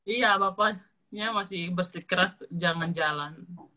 iya bapaknya masih bersikeras jangan jalan